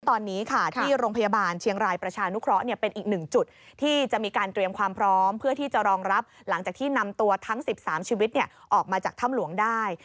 ตอนนี้ค่ะที่โรงพยาบาลเชียงรายประชานุเคราะห์เป็นอีกหนึ่งจุดที่จะมีการเตรียมความพร้อมเพื่อที่จะรองรับหลังจากที่นำตัวทั้ง๑๓ชีวิตออกมาจากถ้ำหลวงได้